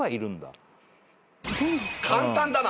簡単だな。